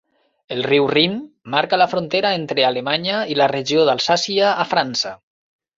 El riu Rin marca la frontera entre Alemanya i la regió d'Alsàcia a França.